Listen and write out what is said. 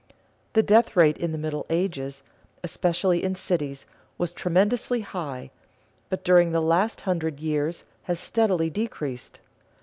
The death rate in the Middle Ages, especially in cities, was tremendously high, but during the last hundred years has steadily decreased.